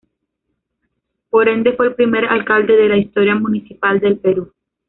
Por ende, fue el primer alcalde de la historia municipal del Perú.